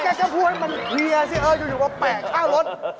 จะพูดให้มันเพลียสิเอออยู่มาแปะข้างรถ